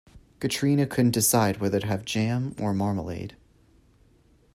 Katerina couldn't decide whether to have jam or marmalade.